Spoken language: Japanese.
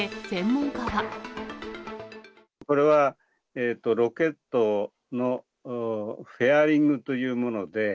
これは、ロケットのフェアリングというもので。